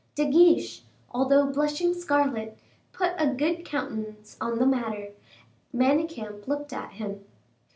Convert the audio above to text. De Guiche, although blushing scarlet, put a good countenance on the matter; Manicamp looked at him.